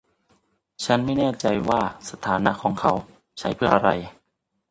ฉันไม่แน่ใจว่าสถานะของเขาใช้เพื่ออะไร